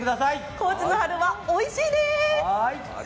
高知の春はおいしいです！